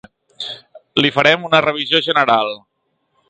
Li farem una revisió general.